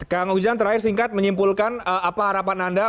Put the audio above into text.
kang ujang terakhir singkat menyimpulkan apa harapan anda